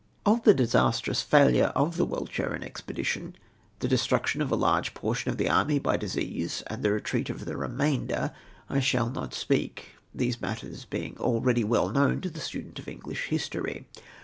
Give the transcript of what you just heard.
Of the disastrous failure of the Walcheren expedition — the destruction of a large portion of tlie army by disease — and the retreat of tlie remainder, I shall not speak ; these matters being ah'eady well known to the student of English history.